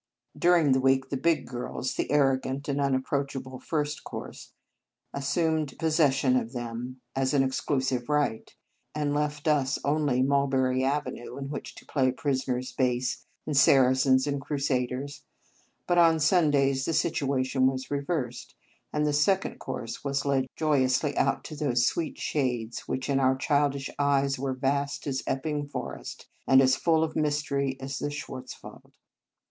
During the week, the big girls the arrogant and unapproachable First Cours assumed possession of them 3 In Our Convent Days as an exclusive right, and left us only Mulberry Avenue in which to play prisoner s base, and Saracens and Crusaders; but on Sundays the situa tion was reversed, and the Second Cours was led joyously out to those sweet shades which in our childish eyes were vast as Epping Forest, and as full of mystery as the Schwarz wald.